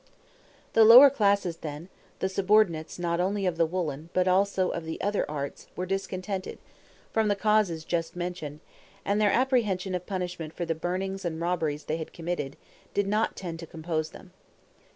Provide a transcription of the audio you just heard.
The lower classes, then, the subordinates not only of the woolen, but also of the other arts, were discontented, from the causes just mentioned; and their apprehension of punishment for the burnings and robberies they had committed, did not tend to compose them.